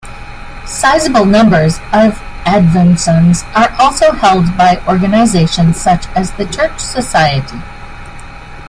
Sizable numbers of advowsons are also held by organizations such as the Church Society.